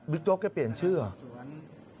บิ๊คโจ๊กได้เปลี่ยนชื่อเหรอ